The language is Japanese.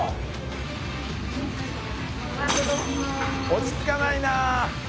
落ち着かないなあ。